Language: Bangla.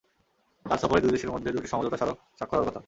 তাঁর সফরে দুই দেশের মধ্যে দুটি সমঝোতা স্মারক স্বাক্ষর হওয়ার কথা।